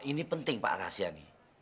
ini penting pak rahasia nih